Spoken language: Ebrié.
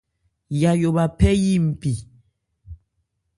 Yayó bha phɛ́ yí npi.